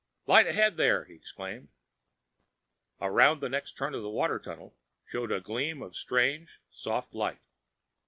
"Light ahead there!" he exclaimed. Around the next turn of the water tunnel showed a gleam of strange, soft light.